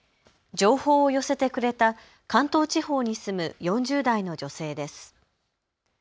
情報を寄せてくれた関東地方に住む４０代の女性です。